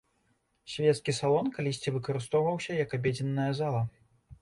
Свецкі салон калісьці выкарыстоўваўся як абедзенная зала.